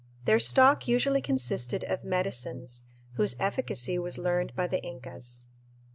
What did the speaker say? Their stock usually consisted of "medicines," whose efficacy was learned by the Incas.